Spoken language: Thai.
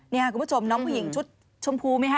นี่คุณผู้ชมน้องผู้หญิงชุดชมพูไหมคะ